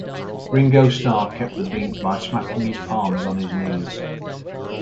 Ringo Starr kept the beat by smacking his palms on his knees.